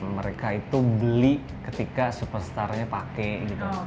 mereka itu beli ketika superstarnya pakai gitu